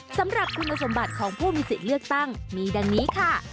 สำหรับคุณสมบัติของผู้มีสิทธิ์เลือกตั้งมีดังนี้ค่ะ